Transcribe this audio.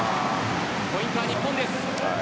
ポイントは日本です。